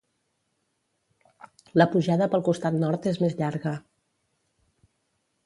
La pujada pel costat nord és més llarga.